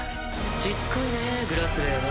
しつこいねグラスレーは。